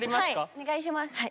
お願いします。